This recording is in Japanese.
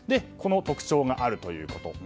この特徴があるということ。